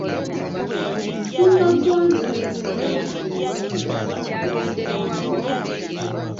Musumba Gonzaga mubuulizi mulungi naye alwawo.